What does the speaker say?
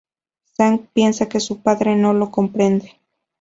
Zack piensa que su padre no lo comprende.